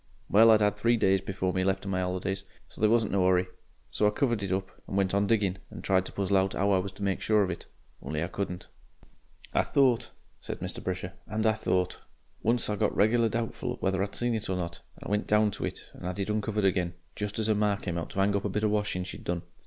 Well, I 'ad three days before me left of my 'olidays, so there wasn't no hurry, so I covered it up and went on digging, and tried to puzzle out 'ow I was to make sure of it. Only I couldn't. "I thought," said Mr. Brisher, "AND I thought. Once I got regular doubtful whether I'd seen it or not, and went down to it and 'ad it uncovered again, just as her ma came out to 'ang up a bit of washin' she'd done.